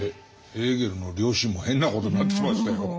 ヘーゲルの良心も変なことになってきましたよ。